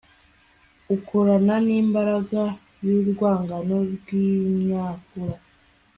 ukorana nimbaraga yurwungano rwimyakura